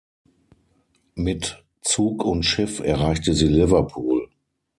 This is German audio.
Mit Zug und Schiff erreichte sie Liverpool.